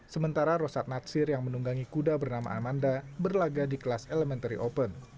sementara rosat natsir yang menunggangi kuda bernama amanda berlaga di kelas elementary open